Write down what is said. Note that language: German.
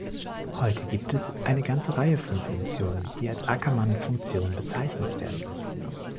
Heute gibt es eine ganze Reihe von Funktionen, die als Ackermannfunktion bezeichnet werden.